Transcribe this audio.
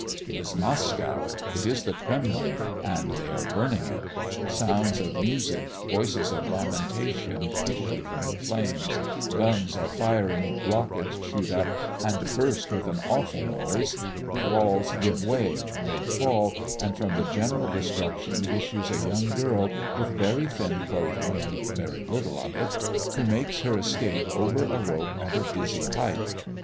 It is Moscow! it is the Kremlin, and they are burning it! Sounds of music, voices of lamentation, issue from the flames, guns are firing, rockets shoot up and burst with an awful noise, the walls give way they fall, and from the general destruction issues a young girl, with very thin clothing and very little of it, who makes her escape over a rope at a dizzy height.